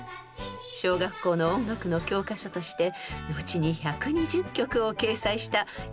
［小学校の音楽の教科書として後に１２０曲を掲載した『尋常小学唱歌』］